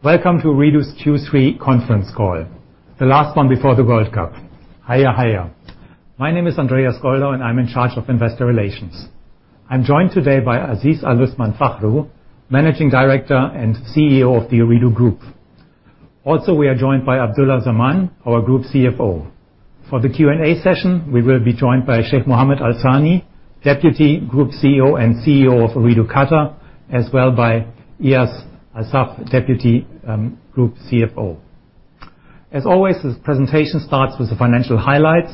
Welcome to Ooredoo's Q3 conference call, the last one before the World Cup. Hayya Hayya. My name is Andreas Goldau, and I'm in charge of investor relations. I'm joined today by Aziz Aluthman Fakhroo, Managing Director and CEO of the Ooredoo Group. We are Abdulla Ahmad Al-Zaman, our Group CFO. For the Q&A session, we will be joined by Sheikh Mohammed bin Abdulla Al Thani, Deputy Group CEO and CEO of Ooredoo Qatar, as well as by Eyas Naif Assaf, Deputy Group CFO. This presentation starts with the financial highlights,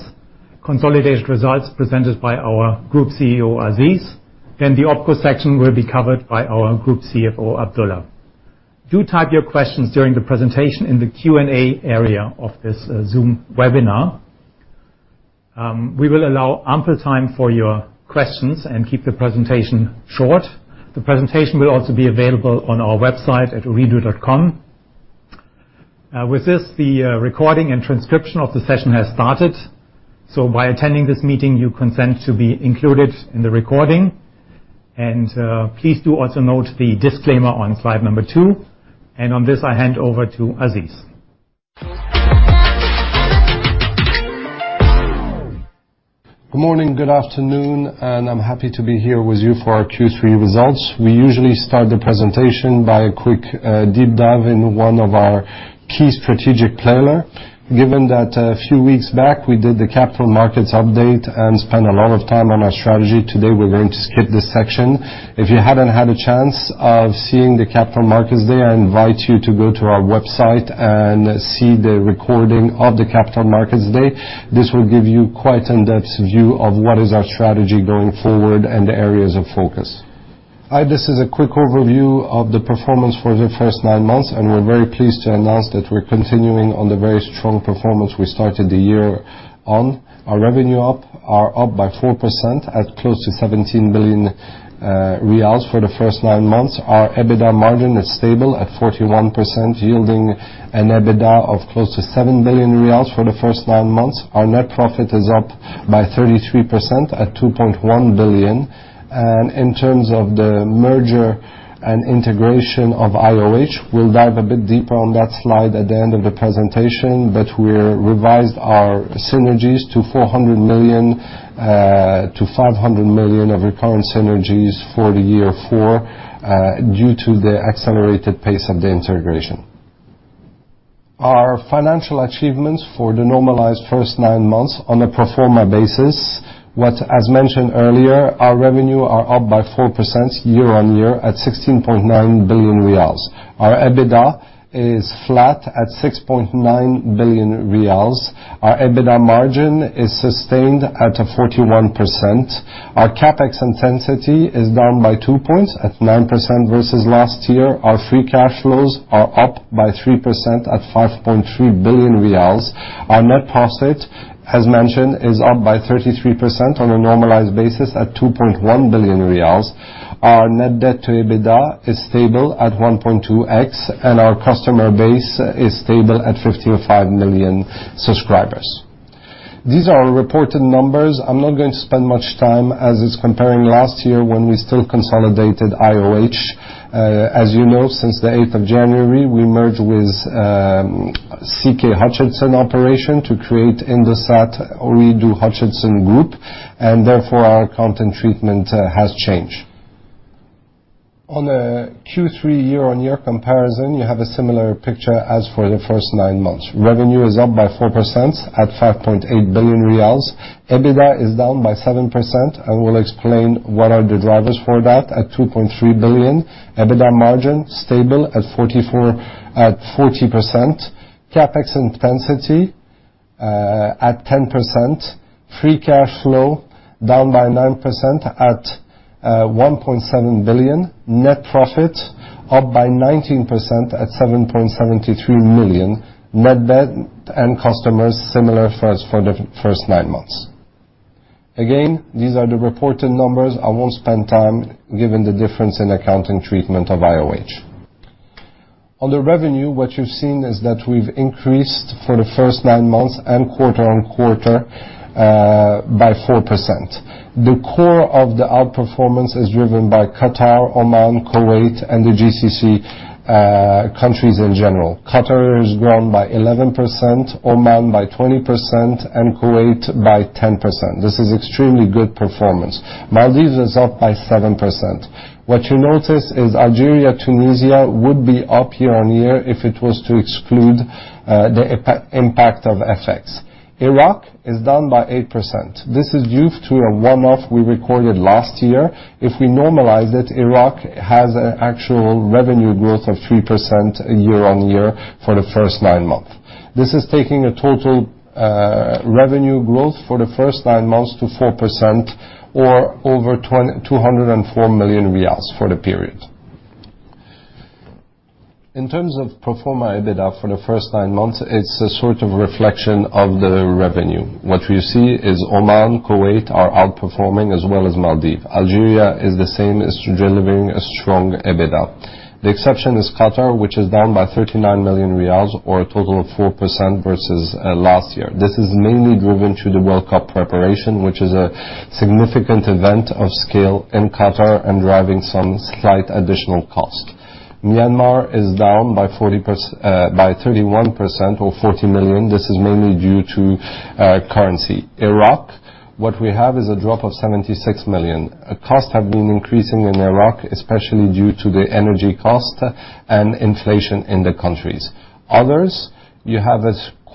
consolidated results presented by our Group CEO, Aziz, then the OpCo section will be covered by our Group CFO, Abdulla. To type your questions during the presentation in the Q&A area of this Zoom webinar. We will allow ample time for your questions and keep the presentation short. The presentation will also be available on our website at ooredoo.com. With this, the recording and transcription of the session has started. By attending this meeting, you consent to be included in the recording. Please do also note the disclaimer on slide number two, and on this I hand over to Aziz. Good morning, good afternoon, and I'm happy to be here with you for our Q3 results. We usually start the presentation by a quick deep dive in one of our key strategic pillar. Given that a few weeks back we did the Capital Markets update and spent a lot of time on our strategy, today we're going to skip this section. If you haven't had a chance of seeing the Capital Markets Day, I invite you to go to our website and see the recording of the Capital Markets Day. This will give you quite in-depth view of what is our strategy going forward and the areas of focus. This is a quick overview of the performance for the first nine months, and we're very pleased to announce that we're continuing on the very strong performance we started the year on. Our revenue are up by 4% at close to 17 billion riyals for the first nine months. Our EBITDA margin is stable at 41%, yielding an EBITDA of close to 7 billion riyals for the first nine months. Our net profit is up by 33% at 2.1 billion. In terms of the merger and integration of IOH, we'll dive a bit deeper on that slide at the end of the presentation. We revised our synergies to 400 million–500 million of recurrent synergies for the year four due to the accelerated pace of the integration. Our financial achievements for the normalized first nine months on a pro forma basis. As mentioned earlier, our revenue are up by 4% year-on-year at 16.9 billion riyals. Our EBITDA is flat at 6.9 billion riyals. Our EBITDA margin is sustained at 41%. Our CapEx intensity is down by two points at 9% versus last year. Our free cash flows are up by 3% at 5.3 billion riyals. Our net profit, as mentioned, is up by 33% on a normalized basis at 2.1 billion riyals. Our net debt to EBITDA is stable at 1.2x, and our customer base is stable at 55 million subscribers. These are reported numbers. I'm not going to spend much time as it's comparing last year when we still consolidated IOH. As you know, since the 8th of January, we merged with CK Hutchison operation to create Indosat Ooredoo Hutchison Group, and therefore, our accounting treatment has changed. On a Q3 year-on-year comparison, you have a similar picture as for the first nine months. Revenue is up by 4% at 5.8 billion riyals. EBITDA is down by 7%. I will explain what are the drivers for that at 2.3 billion. EBITDA margin, stable at 40%. CapEx intensity at 10%. Free cash flow, down by 9% at 1.7 billion. Net profit, up by 19% at 7.73 million. Net debt and customers, similar for us for the first nine months. Again, these are the reported numbers. I won't spend time given the difference in accounting treatment of IOH. On the revenue, what you've seen is that we've increased for the first nine months and quarter-on-quarter by 4%. The core of the outperformance is driven by Qatar, Oman, Kuwait, and the GCC countries in general. Qatar has grown by 11%, Oman by 20%, and Kuwait by 10%. This is extremely good performance. Maldives is up by 7%. What you notice is Algeria, Tunisia would be up year-on-year if it was to exclude the impact of FX. Iraq is down by 8%. This is due to a one-off we recorded last year. If we normalize it, Iraq has an actual revenue growth of 3% year-on-year for the first nine months. This is taking a total revenue growth for the first nine months to 4% or 204 million riyals for the period. In terms of pro forma EBITDA for the first nine months, it's a sort of reflection of the revenue. What we see is Oman, Kuwait are outperforming as well as Maldives. Algeria is the same as delivering a strong EBITDA. The exception is Qatar, which is down by 39 million riyals or a total of 4% versus last year. This is mainly driven through the World Cup preparation, which is a significant event of scale in Qatar and driving some slight additional cost. Myanmar is down by 40%, by 31% or 40 million. This is mainly due to currency. Iraq, what we have is a drop of 76 million. Costs have been increasing in Iraq, especially due to the energy cost and inflation in the countries. Others, you have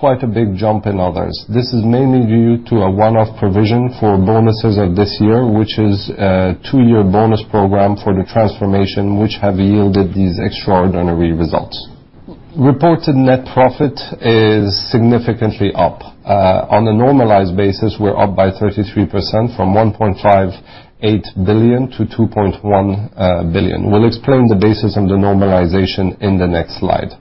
a quite a big jump in others. This is mainly due to a one-off provision for bonuses of this year, which is a two-year bonus program for the transformation which have yielded these extraordinary results. Reported net profit is significantly up. On a normalized basis, we're up by 33% from 1.58 billion to 2.1 billion. We'll explain the basis of the normalization in the next slide.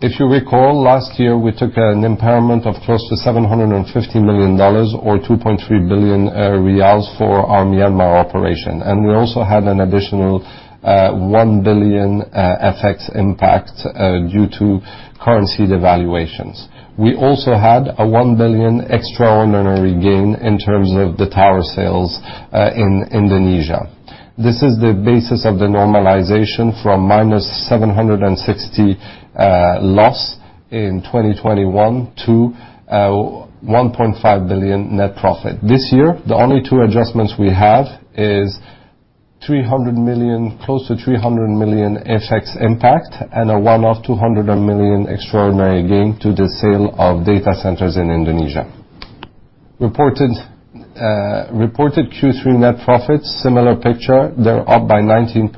If you recall, last year we took an impairment of close to $750 million or 2.3 billion riyals for our Myanmar operation. We also had an additional one billion FX impact due to currency devaluations. We also had a one billion extraordinary gain in terms of the tower sales in Indonesia. This is the basis of the normalization from -760 million loss in 2021 to 1.5 billion net profit. This year, the only two adjustments we have is 300 million, close to 300 million FX impact and a one-off 200 million extraordinary gain to the sale of data centers in Indonesia. Reported Q3 net profits, similar picture, they're up by 19%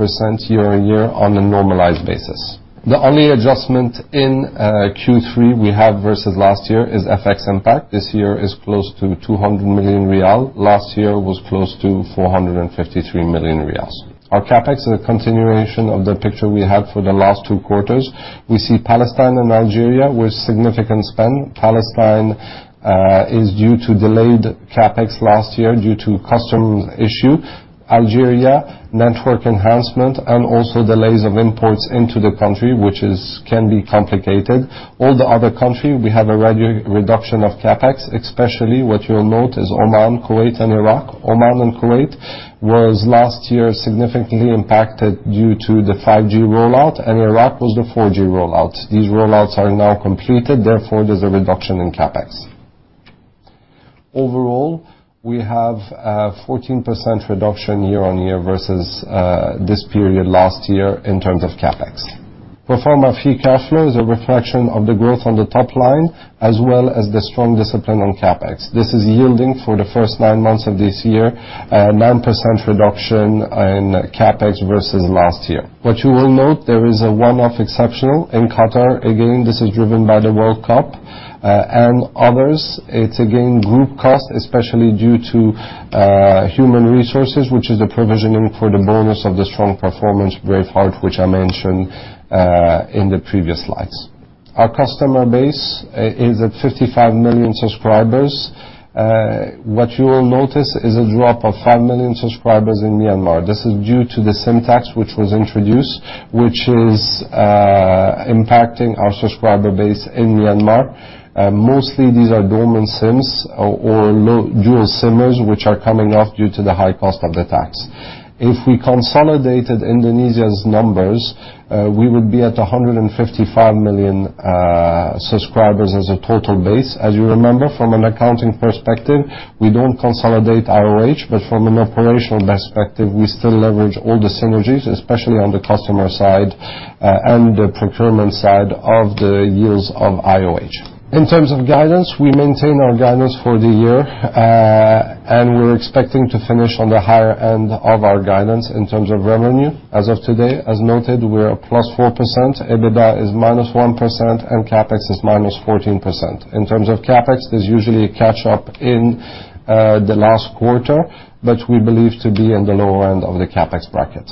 year-on-year on a normalized basis. The only adjustment in Q3 we have versus last year is FX impact. This year is close to QAR 200 million. Last year was close to QAR 453 million. Our CapEx is a continuation of the picture we had for the last two quarters. We see Palestine and Algeria with significant spend. Palestine is due to delayed CapEx last year due to customs issue. Algeria, network enhancement, and also delays of imports into the country, which can be complicated. All the other countries, we have a reduction of CapEx, especially what you'll note is Oman, Kuwait, and Iraq. Oman and Kuwait was last year significantly impacted due to the 5G rollout, and Iraq was the 4G rollout. These rollouts are now completed, therefore, there's a reduction in CapEx. Overall, we have a 14% reduction year-on-year versus this period last year in terms of CapEx. Pro forma free cash flow is a reflection of the growth on the top line as well as the strong discipline on CapEx. This is yielding for the first nine months of this year, 9% reduction in CapEx versus last year. What you will note, there is a one-off exceptional in Qatar. Again, this is driven by the World Cup. Others, it's again group cost, especially due to human resources, which is a provisioning for the bonus of the strong performance Braveheart, which I mentioned in the previous slides. Our customer base is at 55 million subscribers. What you will notice is a drop of five million subscribers in Myanmar. This is due to the SIM tax which was introduced, which is impacting our subscriber base in Myanmar. Mostly these are dormant SIMs or low dual SIMers which are coming off due to the high cost of the tax. If we consolidated Indonesia's numbers, we would be at 155 million subscribers as a total base. As you remember, from an accounting perspective, we don't consolidate IOH, but from an operational perspective, we still leverage all the synergies, especially on the customer side, and the procurement side of the yields of IOH. In terms of guidance, we maintain our guidance for the year, and we're expecting to finish on the higher end of our guidance in terms of revenue. As of today, as noted, we're at +4%, EBITDA is -1%, and CapEx is -14%. In terms of CapEx, there's usually a catch-up in the last quarter, but we believe to be on the lower end of the CapEx bracket.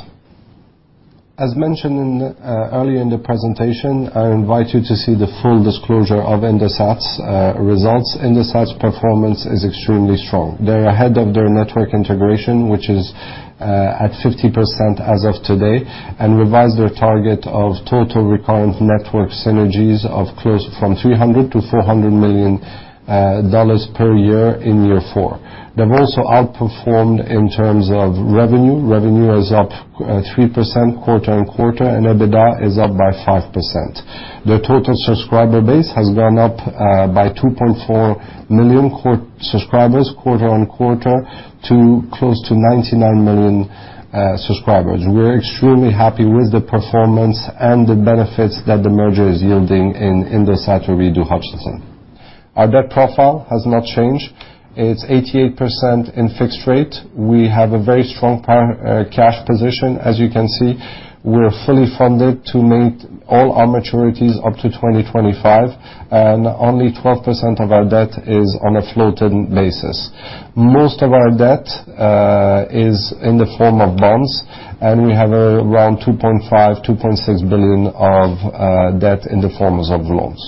As mentioned earlier in the presentation, I invite you to see the full disclosure of Indosat's results. Indosat's performance is extremely strong. They're ahead of their network integration, which is at 50% as of today, and revised their target of total recurrent network synergies to $300 million–$400 million per year in year four. They've also outperformed in terms of revenue. Revenue is up 3% quarter-on-quarter, and EBITDA is up by 5%. Their total subscriber base has gone up by 2.4 million subscribers quarter-on-quarter to close to 99 million subscribers. We're extremely happy with the performance and the benefits that the merger is yielding in Indosat Ooredoo Hutchison. Our debt profile has not changed. It's 88% in fixed rate. We have a very strong parent cash position. As you can see, we're fully funded to meet all our maturities up to 2025, and only 12% of our debt is on a floating basis. Most of our debt is in the form of bonds, and we have around 2.5 billion-2.6 billion of debt in the forms of loans.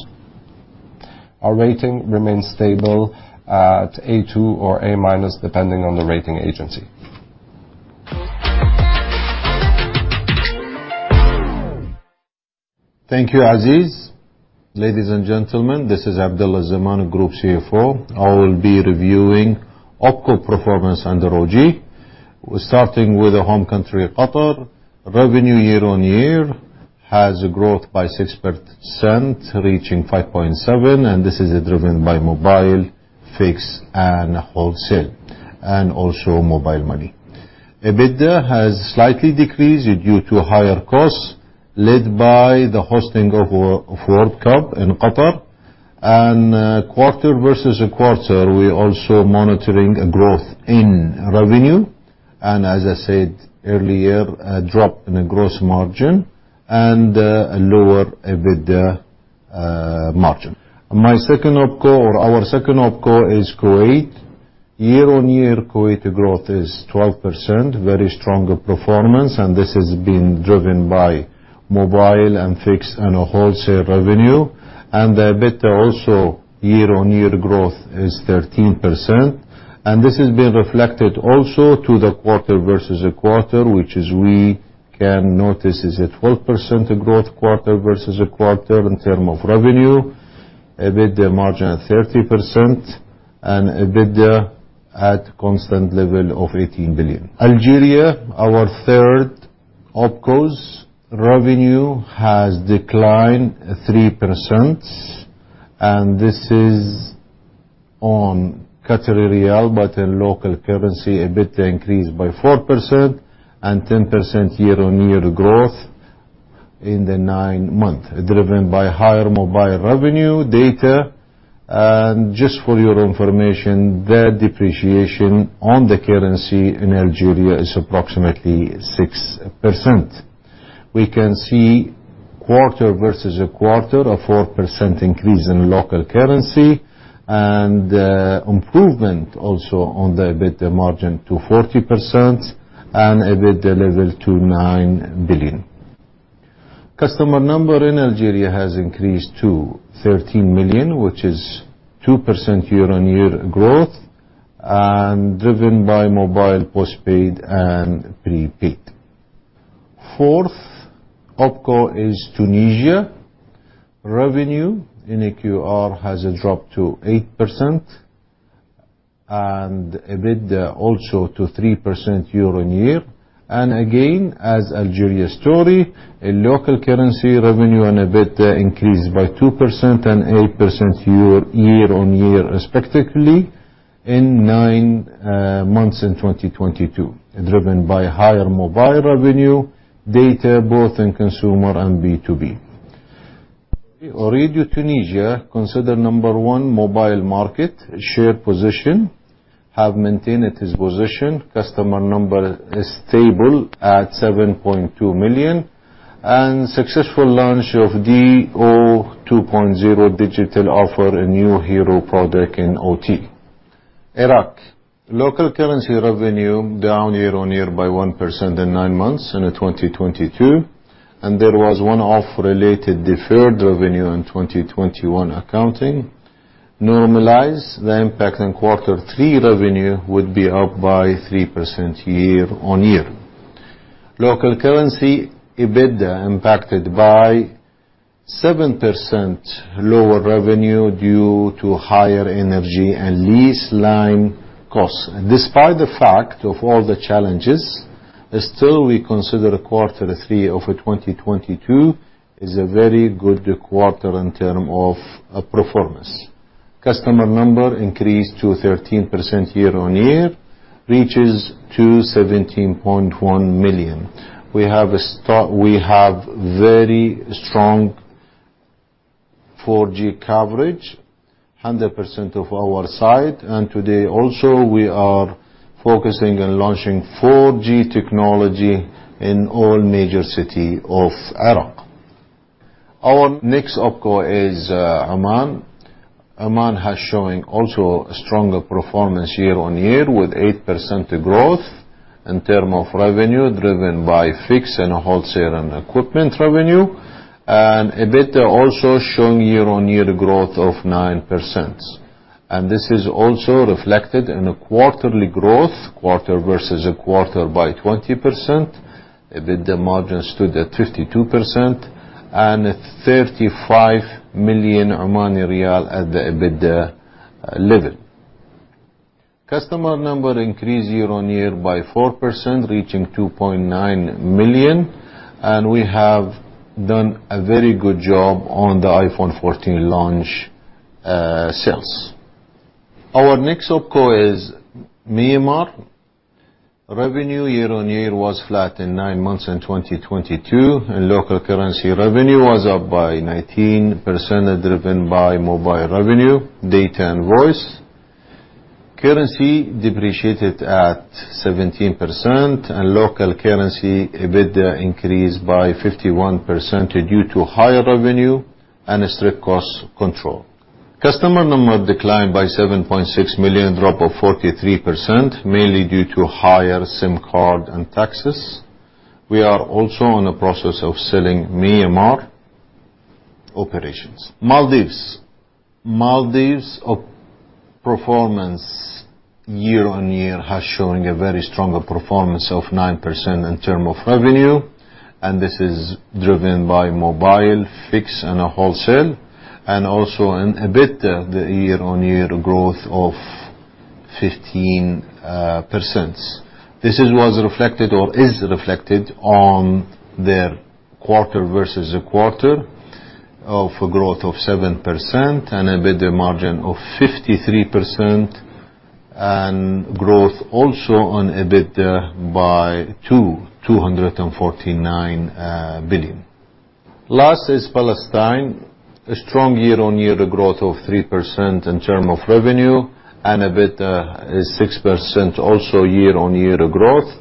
Our rating remains stable at A2 or A-, depending on the rating agency. Thank you, Aziz. Ladies and gentlemen, this is Abdulla Al Zaman, Group CFO. I will be reviewing OpCo performance under OG. Starting with the home country of Qatar, revenue year-over-year has growth by 6%, reaching 5.7, and this is driven by mobile, fixed and wholesale, and also mobile money. EBITDA has slightly decreased due to higher costs led by the hosting of World Cup in Qatar. Quarter-over-quarter, we're also monitoring a growth in revenue. As I said earlier, a drop in the gross margin and a lower EBITDA margin. My second OpCo or our second OpCo is Kuwait. Year-over-year, Kuwait growth is 12%. Very strong performance, and this has been driven by mobile and fixed and wholesale revenue. The EBITDA also year-on-year growth is 13%, and this has been reflected also to the quarter versus quarter, which is we can notice is a 12% growth quarter versus quarter in term of revenue. EBITDA margin at 30% and EBITDA at constant level of 18 billion. Algeria, our third OpCo's revenue has declined 3%, and this is on Qatari riyal, but in local currency, EBITDA increased by 4% and 10% year-on-year growth in the 9 months, driven by higher mobile revenue data. Just for your information, the depreciation on the currency in Algeria is approximately 6%. We can see quarter versus quarter a 4% increase in local currency and improvement also on the EBITDA margin to 40% and EBITDA level to 9 billion. Customer number in Algeria has increased to 13 million, which is 2% year-on-year growth driven by mobile postpaid and prepaid. Fourth OpCo is Tunisia. Revenue in QAR has dropped to 8% and EBITDA also to 3% year-on-year. Again, as in the Algeria story, local currency revenue and EBITDA increased by 2% and 8% year-on-year respectively in nine months in 2022, driven by higher mobile revenue data both in consumer and B2B. Ooredoo Tunisia, considered number one mobile market share position, has maintained its position. Customer number is stable at 7.2 million. Successful launch of DO 2.0 digital offer, a new hero product in OTT. Iraq. Local currency revenue down year-on-year by 1% in 9 months in 2022, and there was one-off related deferred revenue in 2021 accounting. Normalizing the impact in Q3 revenue would be up by 3% year-on-year. Local currency EBITDA impacted by 7% lower revenue due to higher energy and leased line costs. Despite the fact of all the challenges, still we consider Q3 of 2022 is a very good quarter in terms of performance. Customer number increased by 13% year-on-year, reaching 17.1 million. We have very strong 4G coverage, 100% of our sites. Today also, we are focusing on launching 4G technology in all major cities of Iraq. Our next OpCo is Oman. Oman has showing also a stronger performance year-on-year with 8% growth in terms of revenue, driven by fixed and wholesale and equipment revenue. EBITDA also showing year-on-year growth of 9%. This is also reflected in a quarterly growth, quarter-over-quarter by 20%. EBITDA margin stood at 52% and OMR 35 million at the EBITDA level. Customer number increased year-on-year by 4%, reaching 2.9 million. We have done a very good job on the iPhone 14 launch sales. Our next OpCo is Myanmar. Revenue year-on-year was flat in nine months in 2022, and local currency revenue was up by 19%, driven by mobile revenue, data and voice. Currency depreciated at 17% and local currency EBITDA increased by 51% due to higher revenue and strict cost control. Customer number declined by 7.6 million, drop of 43%, mainly due to higher SIM tax. We are also in the process of selling Myanmar operations. Maldives' performance year-on-year has shown a very strong performance of 9% in terms of revenue, and this is driven by mobile, fixed, and wholesale, and also in EBITDA, the year-on-year growth of 15%. This is what's reflected on their quarter-over-quarter growth of 7% and EBITDA margin of 53% and growth also on EBITDA by 249 billion. Last is Palestine. A strong year-on-year growth of 3% in terms of revenue and EBITDA is 6% also year-on-year growth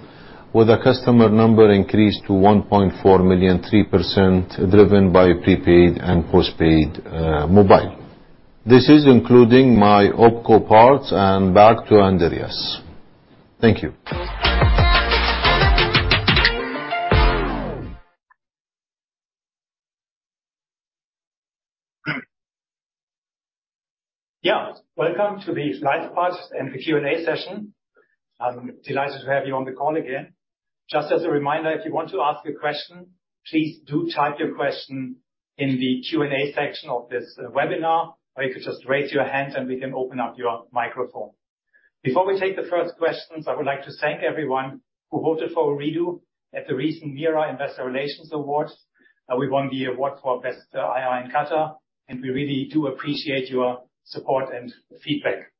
with a customer number increased to 1.4 million, 3% driven by prepaid and postpaid mobile. This is including my OpCo parts and back to Andreas. Thank you. Yeah, welcome to the slide part and the Q&A session. I'm delighted to have you on the call again. Just as a reminder, if you want to ask a question, please do type your question in the Q&A section of this webinar, or you could just raise your hand and we can open up your microphone. Before we take the first questions, I would like to thank everyone who voted for Ooredoo at the recent MEIRA Investor Relations Awards. We won the award for Best IR in Qatar, and we really do appreciate your support and feedback.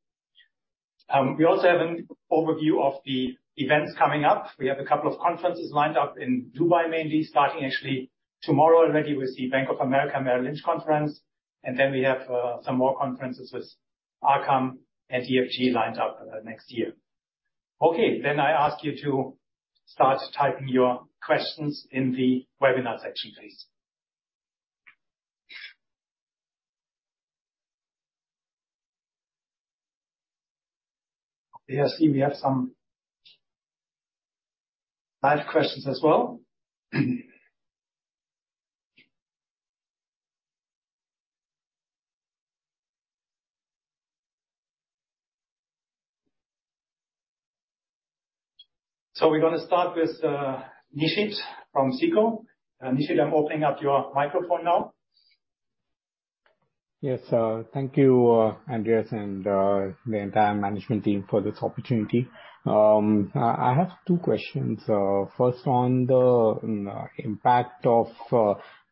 We also have an overview of the events coming up. We have a couple of conferences lined up in Dubai mainly starting actually tomorrow already with the Bank of America Merrill Lynch conference, and then we have some more conferences with Arqaam and EFG lined up next year. Okay, I ask you to start typing your questions in the webinar section, please. I see we have some live questions as well. We're going to start with Nishit from SICO. Nishit, I'm opening up your microphone now. Yes. Thank you, Andreas and the entire management team for this opportunity. I have two questions. First on the impact of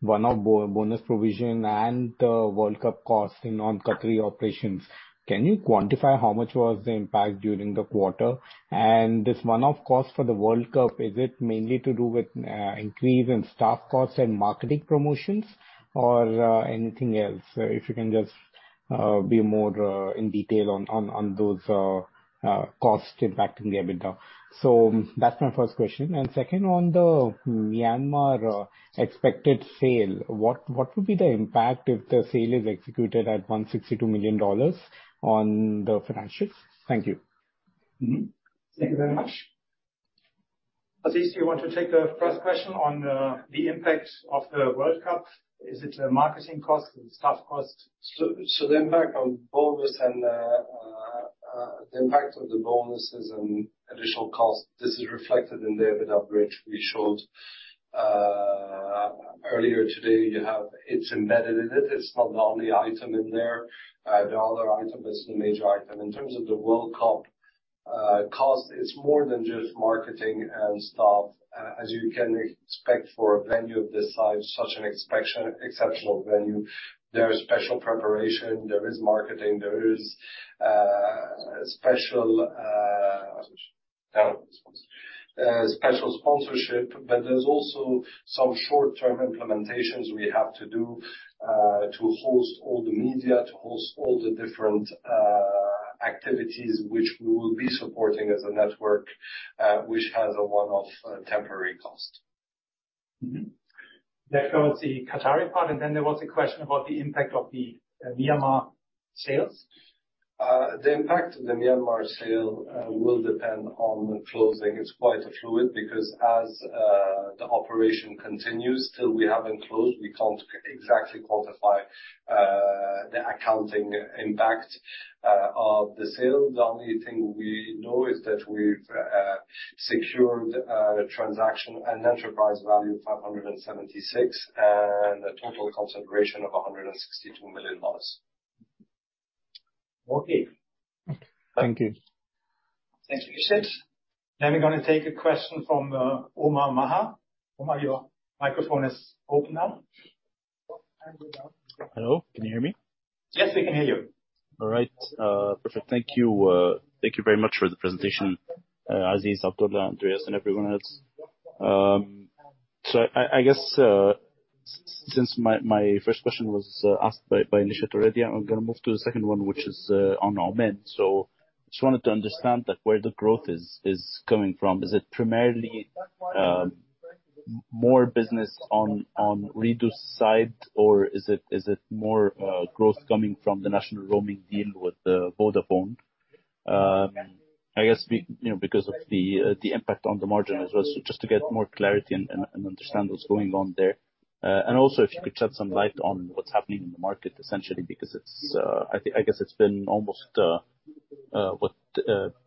one-off bonus provision and the World Cup cost in non-Qatari operations. Can you quantify how much was the impact during the quarter? This one-off cost for the World Cup, is it mainly to do with increase in staff costs and marketing promotions or anything else? If you can just be more in detail on those costs impacting the EBITDA. That's my first question. Second, on the Myanmar expected sale, what would be the impact if the sale is executed at $162 million on the financials? Thank you. Thank you very much. Aziz, do you want to take the first question on the impact of the World Cup? Is it a marketing cost? Is it staff cost? The impact of the bonuses and additional costs, this is reflected in the EBITDA bridge we showed earlier today. It's embedded in it. It's not the only item in there. The other item is the major item. In terms of the World Cup cost, it's more than just marketing and staff. As you can expect for a venue of this size, such an exceptional venue, there is special preparation, there is marketing, there is special sponsorship, but there's also some short-term implementations we have to do to host all the media, to host all the different activities which we will be supporting as a network, which has a one-off temporary cost. That covers the Qatari part. There was a question about the impact of the Myanmar sales. The impact of the Myanmar sale will depend on closing. It's quite fluid because the operation continues till we haven't closed; we can't exactly quantify the accounting impact of the sale. The only thing we know is that we've secured a transaction and enterprise value of $576 million and a total consideration of $162 million. Okay. Thank you. Thanks, Nishit. We're going to take a question from Omar Maher. Omar, your microphone is open now. Hello? Can you hear me? Yes, we can hear you. All right. Perfect. Thank you. Thank you very much for the presentation, Aziz, Abdulla, Andreas, and everyone else. I guess since my first question was asked by Nishit already, I'm going to move to the second one, which is on Ooredoo. Just wanted to understand where the growth is coming from. Is it primarily more business on Ooredoo's side, or is it more growth coming from the national roaming deal with Vodafone? I guess you know, because of the impact on the margin as well. Just to get more clarity and understand what's going on there. If you could shed some light on what's happening in the market, essentially, because it's I guess it's been almost what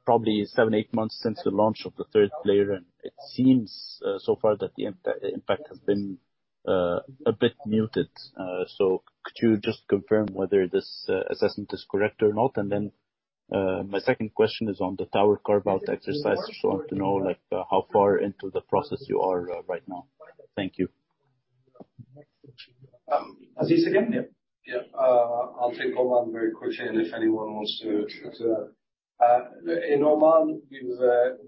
probably seven, eight months since the launch of the third player, and it seems so far that the impact has been a bit muted. Could you just confirm whether this assessment is correct or not? Then my second question is on the tower carve-out exercise. I just want to know, like, how far into the process you are right now. Thank you. Aziz again? I'll take Oman very quickly, and if anyone wants to in Oman,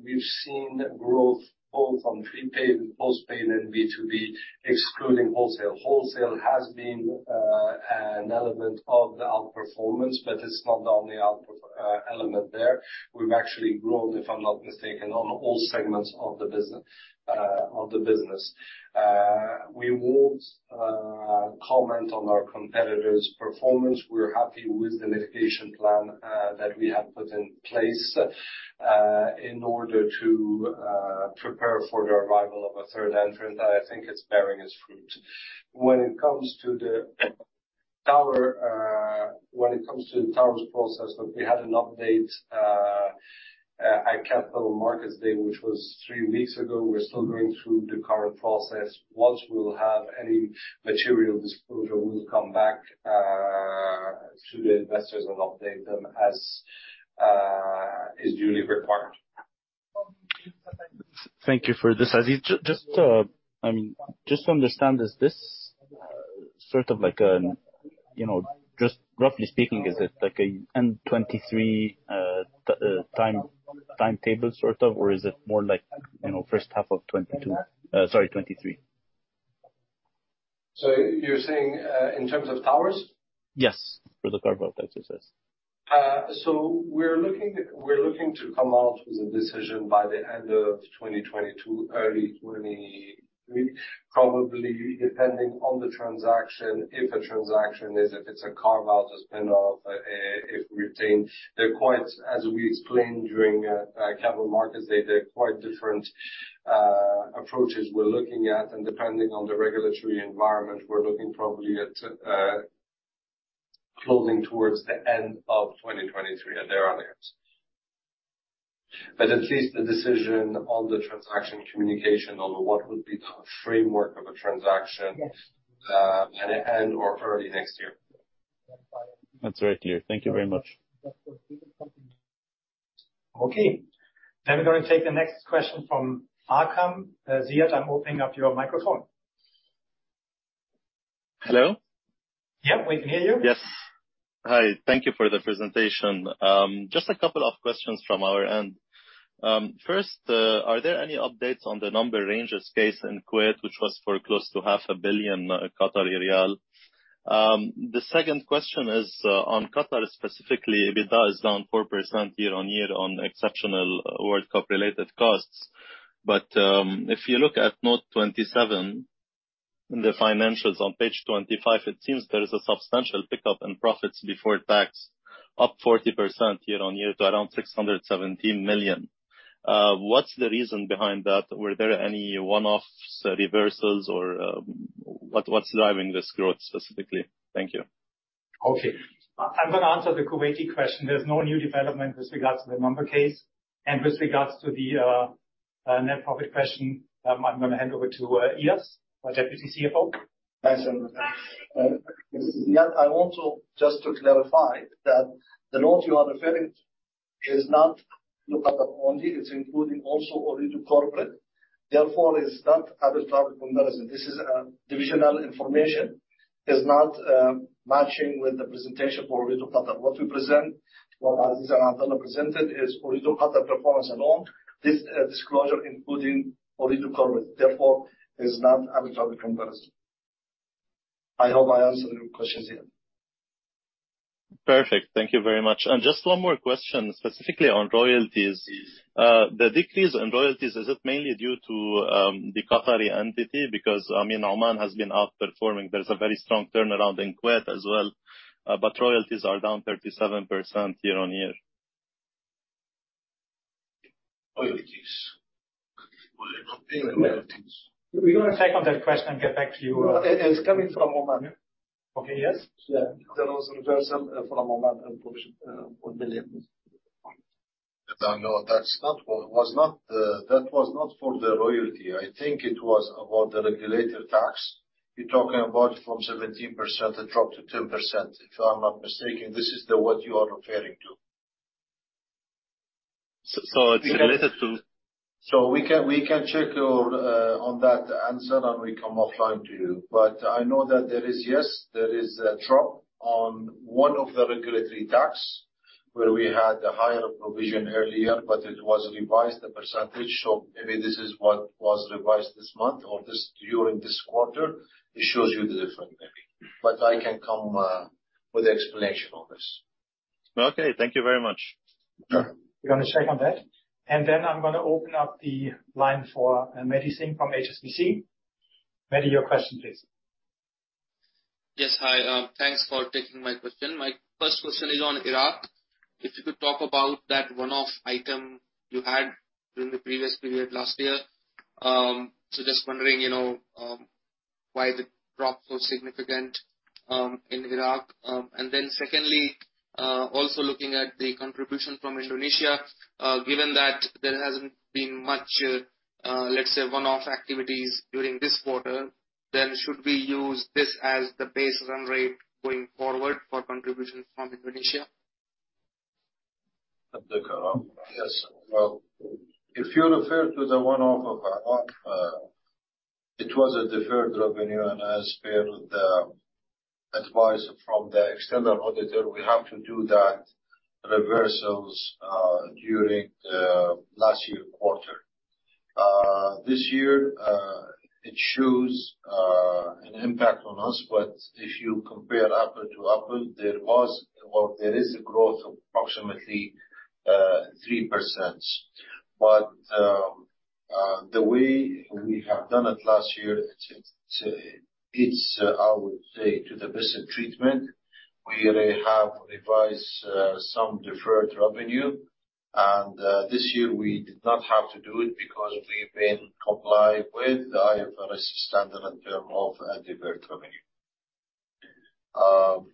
we've seen growth both on prepaid and postpaid and B2B, excluding wholesale. Wholesale has been an element of the outperformance, but it's not the only element there. We've actually grown, if I'm not mistaken, on all segments of the business. We won't comment on our competitors' performance. We're happy with the mitigation plan that we have put in place in order to prepare for the arrival of a third entrant. I think it's bearing its fruit. When it comes to the tower, when it comes to the towers process, look, we had an update at Capital Markets Day, which was three weeks ago. We're still going through the current process. Once we will have any material disclosure, we'll come back to the investors and update them as is duly required. Thank you for this, Aziz. Just, I mean, just to understand, is this sort of like, you know, just roughly speaking, is it like an end 2023 time timetable sort of? Or is it more like, you know, first half of 2023? You're saying, in terms of towers? Yes, for the carve-out exercise. We're looking to come out with a decision by the end of 2022, early 2023, probably depending on the transaction, if it's a carve-out, a spin-off, if retained. They're quite different, as we explained during Capital Markets Day, approaches we're looking at. Depending on the regulatory environment, we're looking probably at closing towards the end of 2023 at the earliest. At least the decision on the transaction communication on what would be the framework of a transaction, at end or early next year. That's very clear. Thank you very much. Okay. We're going to take the next question from Ziad Itani. I'm opening up your microphone. Hello? Yeah, we can hear you. Yes. Hi. Thank you for the presentation. Just a couple of questions from our end. First, are there any updates on the Number Range case in Kuwait, which was for close to half a billion QAR? The second question is, on Qatar specifically, EBITDA is down 4% year-on-year on exceptional World Cup related costs. If you look at note 27 in the financials on page 25, it seems there is a substantial pickup in profit before tax, up 40% year-on-year to around 617 million. What's the reason behind that? Were there any one-offs, reversals or, what's driving this growth specifically? Thank you. Okay. I'm going to answer the Kuwaiti question. There's no new development with regards to the number case. With regards to the net profit question, I'm going to hand over to Eyas, our Deputy CFO. Thanks. This is Eyas. I also just to clarify that the note you are referring is not Ooredoo Qatar only, it's including also Ooredoo Group. Therefore, it's not apples-to-apples comparison. This is divisional information. It's not matching with the presentation for Ooredoo Qatar. What we present, what Aziz and Abdulla presented is Ooredoo Qatar performance alone. This disclosure, including Ooredoo Group, therefore, is not apples-to-apples comparison. I hope I answered your questions here. Perfect, thank you very much. Just one more question, specifically on royalties. The decrease in royalties, is it mainly due to the Qatari entity? Because, I mean, Oman has been outperforming. There's a very strong turnaround in Kuwait as well, but royalties are down 37% year-on-year. Royalties. We're going to check on that question and get back to you. It's coming from Oman. Okay. Yes? Yeah. There was a reversal from Oman, provision of QAR billions. No. That was not for the royalty. I think it was about the regulatory tax. You're talking about from 17%, it dropped to 10%, if I'm not mistaken. This is what you are referring to. It's related to. We can check on that answer, and we come offline to you. I know that there is a drop on one of the regulatory tax where we had a higher provision earlier, but it was revised, the percentage. Maybe this is what was revised this month or during this quarter. It shows you the difference maybe. I can come with explanation on this. Okay. Thank you very much. We're going to check on that. I'm going to open up the line for Ritesh Kumar Singh from HSBC. Ritesh Kumar Singh, your question, please. Yes. Hi, thanks for taking my question. My first question is on Iraq. If you could talk about that one-off item you had during the previous period last year. Just wondering, you know, why the drop so significant in Iraq. Then secondly, also looking at the contribution from Indonesia, given that there hasn't been much, let's say, one-off activities during this quarter, then should we use this as the base run rate going forward for contributions from Indonesia? Abdulla Al Zaman. Yes. Well, if you refer to the one-off of Iraq, it was a deferred revenue. As per the advice from the external auditor, we have to do that reversals during the last year quarter. This year, it shows an impact on us. If you compare apples to apples, there was or there is a growth of approximately 3%. The way we have done it last year, it's the best treatment. We really have revised some deferred revenue. This year we did not have to do it because we've been comply with IFRS standard in terms of deferred revenue.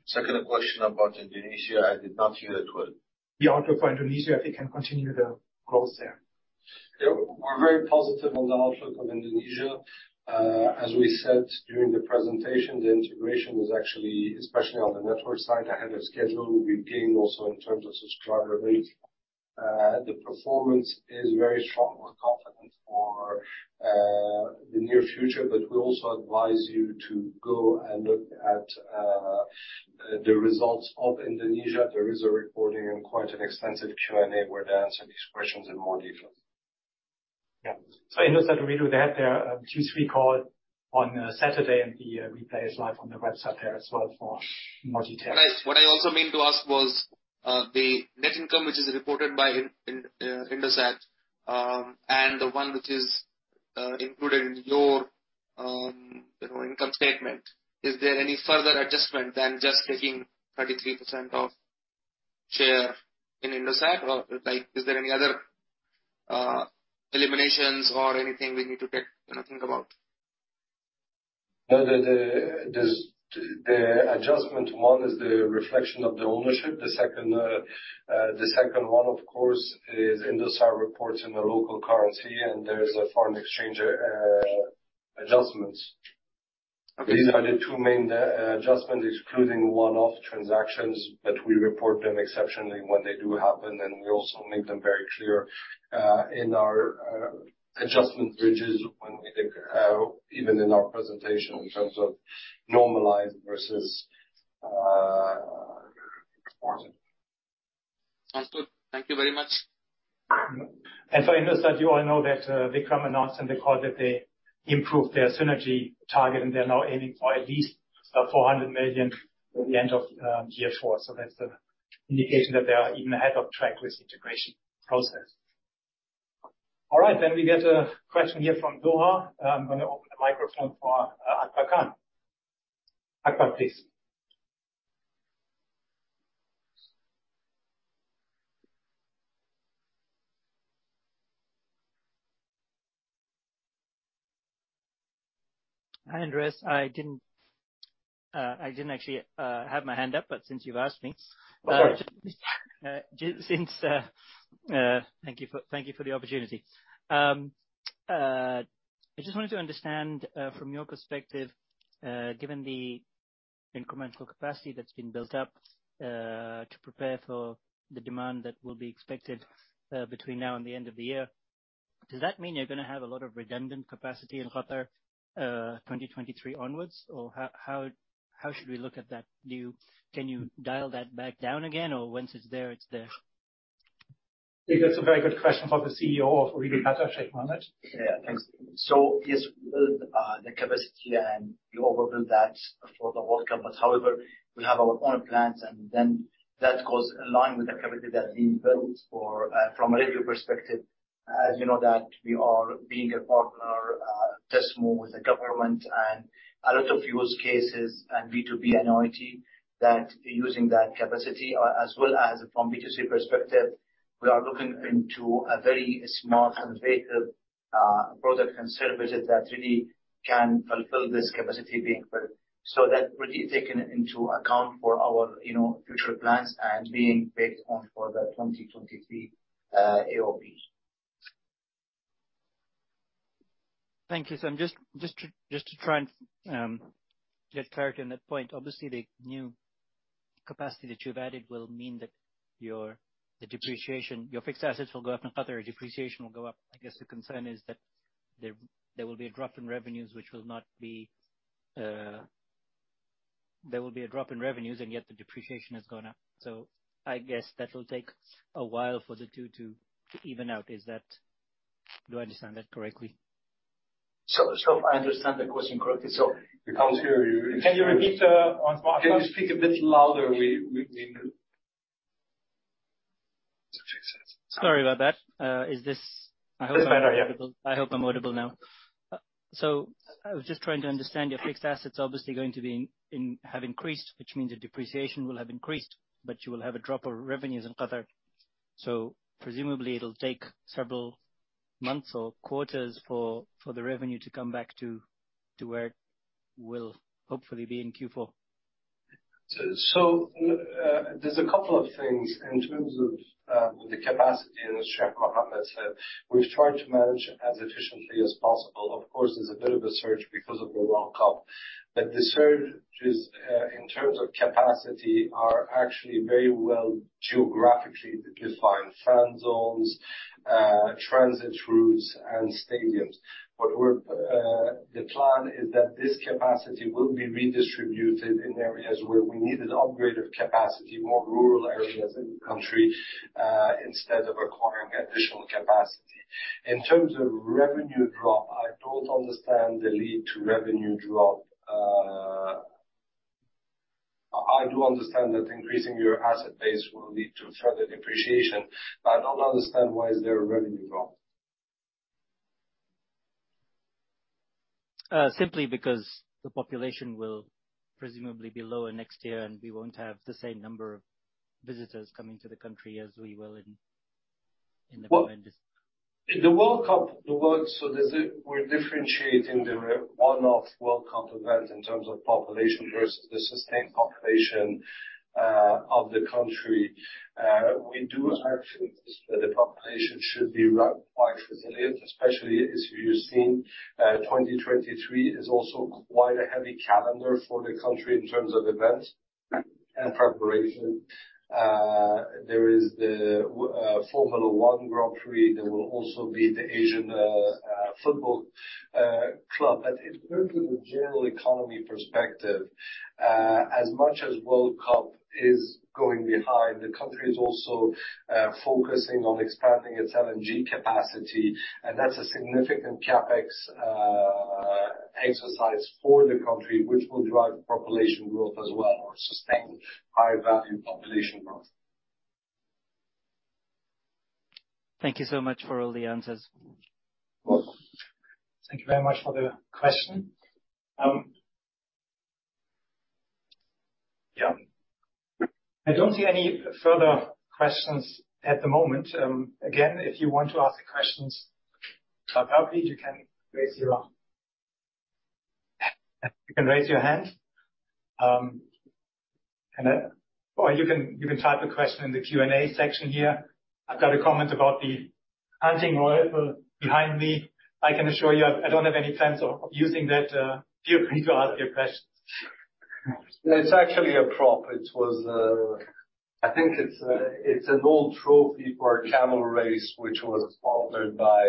Second question about Indonesia, I did not hear that well. The outlook for Indonesia, if you can continue the growth there? Yeah. We're very positive on the outlook of Indonesia. As we said during the presentation, the integration is actually, especially on the network side, ahead of schedule. We've gained also in terms of subscriber base. The performance is very strong. We're confident for the near future, but we also advise you to go and look at the results of Indonesia. There is a reporting and quite an extensive Q&A where they answer these questions in more detail. Yeah. Indosat will do that. There are Q3 call on Saturday, and the replay is live on the website there as well for more details. What I also mean to ask was, the net income which is reported by Indosat, and the one which is included in your, you know, income statement. Is there any further adjustment than just taking 33% of share in Indosat? Or like is there any other, eliminations or anything we need to take, you know, think about? No. The adjustment one is the reflection of the ownership. The second one of course is Indosat reports in the local currency and there is a foreign exchange adjustments. Okay. These are the two main adjustments excluding one-off transactions. We report them exceptionally when they do happen, and we also make them very clear in our adjustment bridges when we take even in our presentation in terms of normalized versus performance. Sounds good. Thank you very much. For Indosat, you all know that they announced in the call that they improved their synergy target and they're now aiming for at least $400 million at the end of year four. That's the indication that they are even ahead of schedule with integration process. All right, we get a question here from Doha. I'm going to open the microphone for Akbar Khan. Akbar, please. Hi, Andreas. I didn't actually have my hand up, but since you've asked me. Oh, sorry. Thank you for the opportunity. I just wanted to understand from your perspective, given the incremental capacity that's been built up to prepare for the demand that will be expected between now and the end of the year, does that mean you're going to have a lot of redundant capacity in Qatar 2023 onwards? Or how should we look at that? Can you dial that back down again or once it's there, it's there? I think that's a very good question for the CEO of Ooredoo Qatar, Sheikh Mohammed. Yeah, thanks. Yes, we build the capacity and we overbuild that for the World Cup. However, we have our own plans and then that goes in line with the capacity that we built for from a retail perspective. As you know, we are a partner in TASMU with the government and a lot of use cases and B2B and IoT that use that capacity. As well as from B2C perspective, we are looking into a very smart and creative product and service that really can fulfill this capacity being built. That really taken into account for our, you know, future plans and being baked in for the 2023 AOP. Thank you. Just to try and get clarity on that point, obviously the new capacity that you've added will mean that your depreciation, your fixed assets will go up in Qatar. Depreciation will go up. I guess the concern is that there will be a drop in revenues, and yet the depreciation has gone up. I guess that will take a while for the two to even out. Do I understand that correctly? If I understand the question correctly. We can't hear you. Can you repeat once more? Can you speak a bit louder? Sorry about that. Is this? It's better, yeah. I hope I'm audible. I hope I'm audible now. I was just trying to understand your fixed assets, obviously going to have increased, which means the depreciation will have increased, but you will have a drop of revenues in Qatar. Presumably it'll take several months or quarters for the revenue to come back to where it will hopefully be in Q4. There's a couple of things in terms of the capacity, as Sheikh Mohammed said. We've tried to manage as efficiently as possible. Of course, there's a bit of a surge because of the World Cup, but the surges in terms of capacity are actually very well geographically defined. Fan zones, transit routes, and stadiums. The plan is that this capacity will be redistributed in areas where we need an upgrade of capacity, more rural areas in the country, instead of acquiring additional capacity. In terms of revenue drop, I don't understand the link to revenue drop. I do understand that increasing your asset base will lead to further depreciation, but I don't understand why is there a revenue drop. Simply because the population will presumably be lower next year, and we won't have the same number of visitors coming to the country. Well, the World Cup. We're differentiating the one-off World Cup event in terms of population versus the sustained population of the country. We do actually think that the population should be quite resilient, especially as you've seen, 2023 is also quite a heavy calendar for the country in terms of events and preparation. There is the Formula One Grand Prix. There will also be the Asian football club. In terms of the general economy perspective, as much as World Cup is going behind, the country is also focusing on expanding its LNG capacity, and that's a significant CapEx exercise for the country, which will drive population growth as well, or sustain high-value population growth. Thank you so much for all the answers. Welcome. Thank you very much for the question. Yeah. I don't see any further questions at the moment. Again, if you want to ask questions about Ooredoo, you can raise your hand. Or you can type a question in the Q&A section here. I've got a comment about the hunting rifle behind me. I can assure you, I don't have any plans of using that. Feel free to ask your questions. It's actually a prop. It was. I think it's an old trophy for a camel race which was sponsored by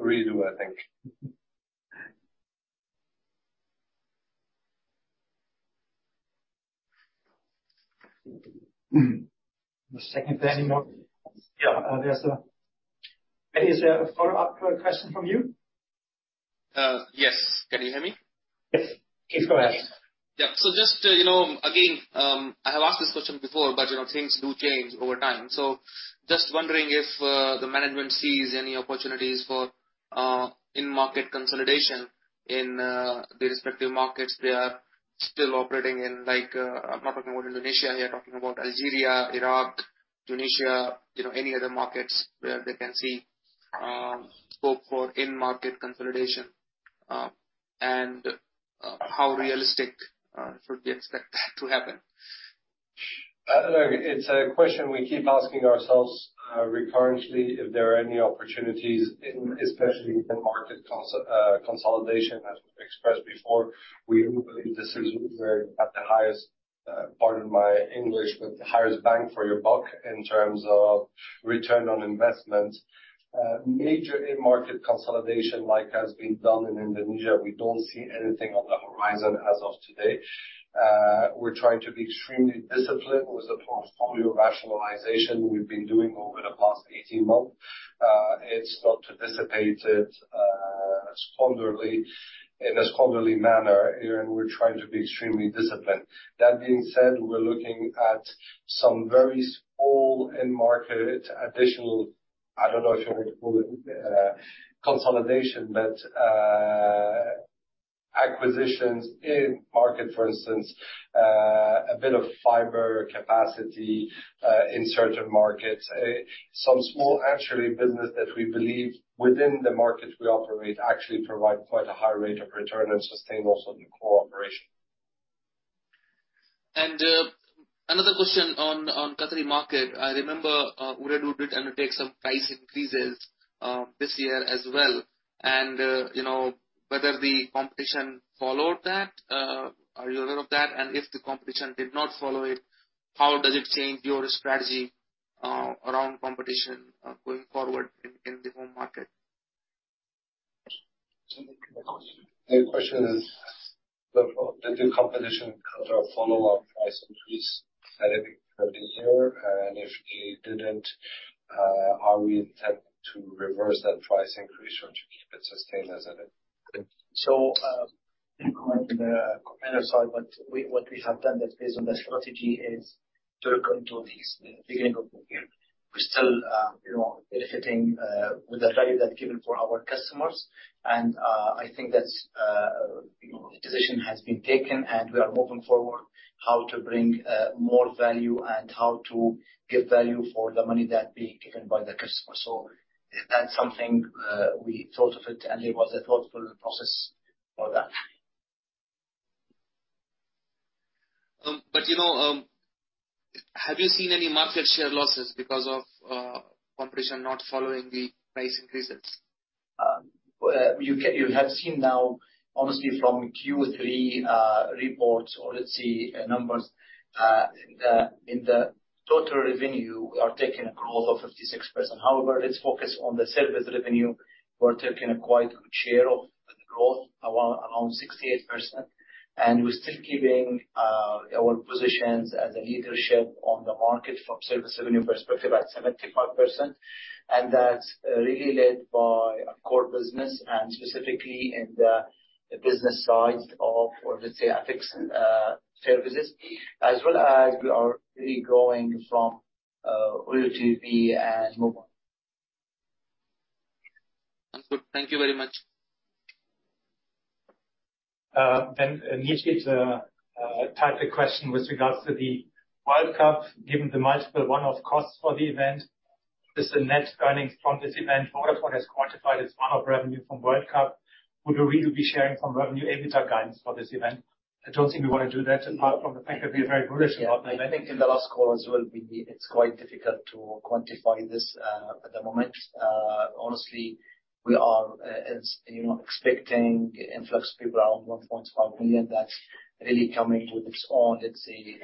Ooredoo, I think. One second. Yeah, there's a. Is there a follow-up question from you? Yes. Can you hear me? Yes. Please go ahead. Yeah. Just, you know, again, I have asked this question before, but, you know, things do change over time. Just wondering if the management sees any opportunities for in-market consolidation in the respective markets they are still operating in. Like, I'm not talking about Indonesia here. I'm talking about Algeria, Iraq, Tunisia, you know, any other markets where they can see scope for in-market consolidation, and how realistic do you expect that to happen? Look, it's a question we keep asking ourselves, recurrently, if there are any opportunities in, especially in-market consolidation. As we've expressed before, we believe this is where at the highest, pardon my English, but the highest bang for your buck in terms of return on investment. Major in-market consolidation like has been done in Indonesia, we don't see anything on the horizon as of today. We're trying to be extremely disciplined with the portfolio rationalization we've been doing over the past 18 months. It's not to dissipate it, squanderly in a squanderly manner. Again, we're trying to be extremely disciplined. That being said, we're looking at some very small in-market, additional, I don't know if you want to call it, consolidation, but, acquisitions in market. For instance, a bit of fiber capacity, in certain markets. Some small, actually businesses that we believe within the markets we operate actually provide quite a high rate of return and sustain also the core operation. Another question on Qatari market. I remember Ooredoo did undertake some price increases this year as well, and you know whether the competition followed that. Are you aware of that? If the competition did not follow it, how does it change your strategy around competition going forward in the home market? The question is, did the competition in Qatar follow our price increase at the beginning of the year? If it didn't, are we intent to reverse that price increase or to keep it sustained as it is? Implement in the competitor side, what we have done that's based on that strategy is to look into these beginning of the year. We're still, you know, benefiting with the value that's given for our customers and I think that's, you know, the decision has been taken and we are moving forward how to bring more value and how to give value for the money that being given by the customer. That's something we thought of it, and it was a thoughtful process for that. you know, have you seen any market share losses because of competition not following the price increases? Well, you have seen now, honestly from Q3 reports or let's see, numbers in the total revenue, we are taking a growth of 56%. However, let's focus on the service revenue. We're taking a quite good share of the growth, around 68%. We're still keeping our positions as a leadership on the market from service revenue perspective at 75%. That's really led by our core business and specifically in the business side of, or let's say, ICT services. As well as we are really growing from OTT and mobile. Good. Thank you very much. Nicky, it's a typed question with regards to the World Cup, given the multiple one-off costs for the event. Is the net earnings from this event for Ooredoo quantified as one-off revenue from World Cup? Would Ooredoo be sharing some revenue and EBITDA guidance for this event? I don't think we want to do that apart from the fact that we are very bullish about the event. I think in the last call as well, it's quite difficult to quantify this at the moment. Honestly, we are, as you know, expecting influx of people around 1.5 million. That's really coming with its own, let's say,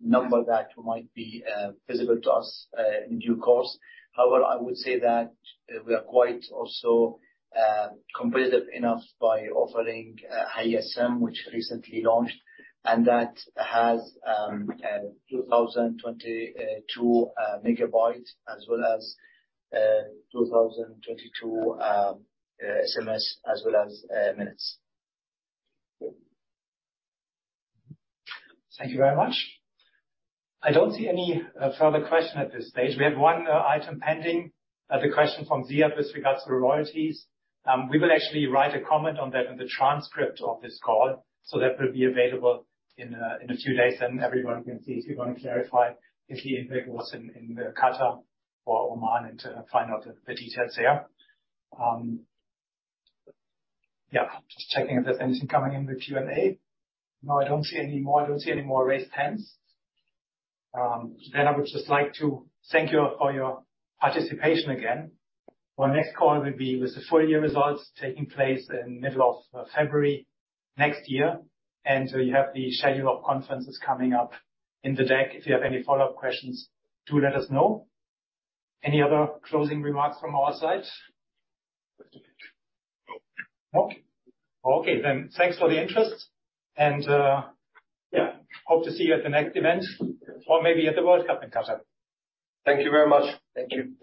number that might be visible to us in due course. However, I would say that we are quite also competitive enough by offering eSIM, which recently launched, and that has 2,022 megabytes as well as 2,022 SMS as well as minutes. Thank you very much. I don't see any further question at this stage. We have one item pending. The question from Ziad Itani with regards to the royalties. We will actually write a comment on that in the transcript of this call, so that will be available in a few days, then everyone can see if you want to clarify if the impact was in the Qatar or Oman and to find out the details there. Yeah, just checking if there's anything coming in with Q&A. No, I don't see any more. I don't see any more raised hands. I would just like to thank you all for your participation again. Our next call will be with the full year results taking place in middle of February next year. You have the schedule of conferences coming up in the deck. If you have any follow-up questions, do let us know. Any other closing remarks from our side? No. Okay, thanks for the interest and, yeah, hope to see you at the next event or maybe at the World Cup in Qatar. Thank you very much. Thank you.